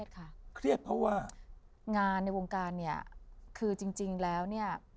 ค่ะแล้วก็เริ่มกับคราก